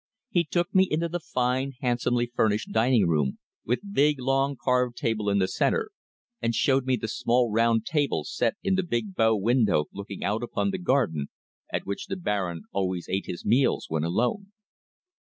He took me into the fine, handsomely furnished dining room, with big long carved table in the centre, and showed me the small round table set in the big bow window looking out upon the garden, at which the Baron always ate his meals when alone.